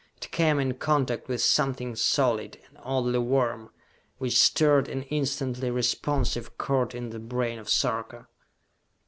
It came in contact with something solid, and oddly warm, which stirred an instantly responsive chord in the brain of Sarka.